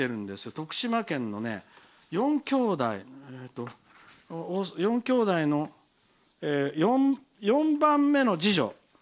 徳島県の４きょうだいの４番目の次女。